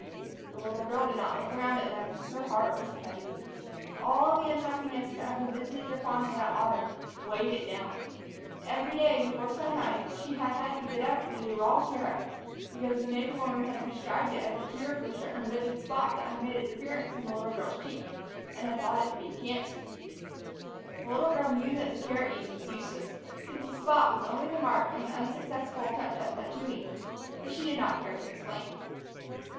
The little girl did not look around at them. Her heart was heavy. All the unhappiness that had been visited upon her that autumn weighed it down. Every day, before sunrise, she had had to get up and eat a raw carrot, because the neighbor woman had prescribed it as a cure for a certain livid spot that had made its appearance on the little girl's cheek, and was thought to be a cancer. The little girl knew that the carrot eating was useless, since the spot was only the mark of an unsuccessful attempt at tattooing; but she did not care to explain.